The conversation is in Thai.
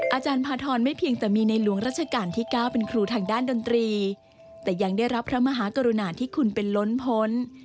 อาจารย์พาทรไม่เพียงแต่มีในหลวงราชการที่๙เป็นครูทางด้านดนตรีแต่ยังได้รับพระมหากรุณาที่คุณเป็นล้นพ้น